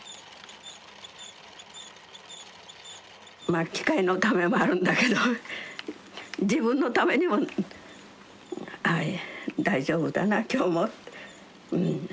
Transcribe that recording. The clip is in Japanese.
まあ機械のためもあるんだけど自分のためにもああ大丈夫だな今日もうん。